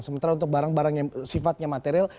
sementara untuk barang barang yang sifatnya material